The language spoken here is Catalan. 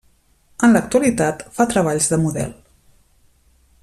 En l'actualitat fa treballs de model.